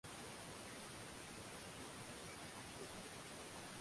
siku ya jumapili ambapo zaidi wanahabari kumi